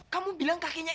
kamu bilang kakeknya